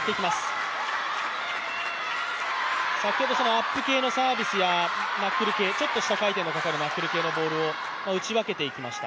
先ほどアップ系のサービスやナックル系、ちょっと下回転のかかるナックル系のボールを打ち分けていきました。